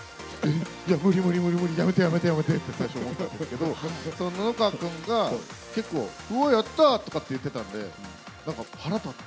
いや、無理無理無理無理、やめてやめてやめてって、最初思ったんですけど、布川君が結構、うわーっ、やったとか言ってたんで、なんか腹立って。